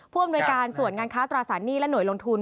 อำนวยการส่วนงานค้าตราสารหนี้และหน่วยลงทุน